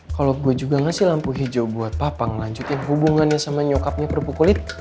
kalo gue juga ngasih lampu hijau buat papa ngelanjutin hubungannya sama nyokapnya kerupuk kulit